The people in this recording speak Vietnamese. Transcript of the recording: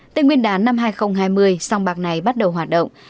tên nguyên đán năm hai nghìn hai mươi sông bạc này bắt đầu hoạt động